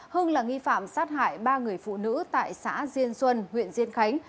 hưng là nghi phạm sát hại ba người phụ nữ tại xã diên xuân huyện diên khánh